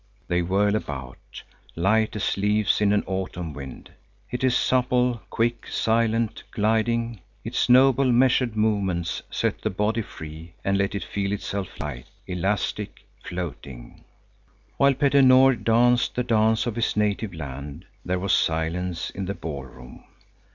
They whirl about, light as leaves in an autumn wind. It is supple, quick, silent, gliding. Its noble, measured movements set the body free and let it feel itself light, elastic, floating. While Petter Nord danced the dance of his native land, there was silence in the ball room.